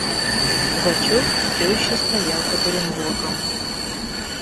Пугачев все еще стоял под Оренбургом.